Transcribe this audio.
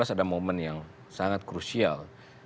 dua ribu delapan belas ada momen yang sangat krusial